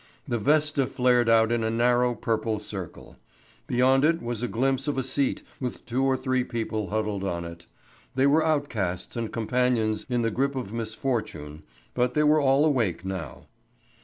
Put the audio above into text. The vesta flared out in a narrow, purple circle. Beyond it was a glimpse of a seat with two or three people huddled on it. They were outcasts and companions in the grip of misfortune, but they were all awake now.